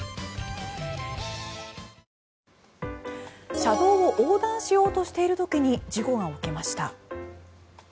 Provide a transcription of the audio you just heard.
車道を横断しようとしている時に事故が起きました。